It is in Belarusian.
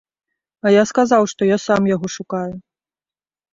А я сказаў, што я сам яго шукаю.